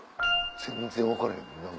全然分からへん。